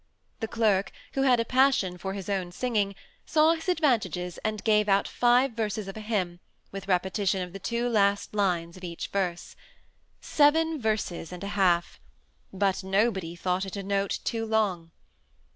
The clerk, who had a passion for his own singing, saw his advantages, and gave out ^YB verses of a hymn, with repetition of the two last lines of each verse. Seven verses and a half ! but no body thought it a note too long.